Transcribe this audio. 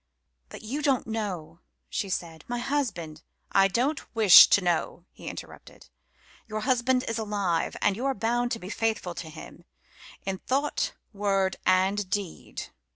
"But you don't know," she said. "My husband " "I don't wish to know," he interrupted. "Your husband is alive, and you are bound to be faithful to him, in thought, word, and deed.